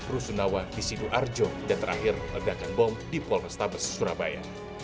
rusunawa disidu arjo dan terakhir letakan bom di polrestabes surabaya